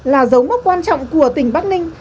là dấu mốc quan trọng của tỉnh bắc ninh